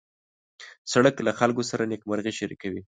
سړک له خلکو سره نېکمرغي شریکوي.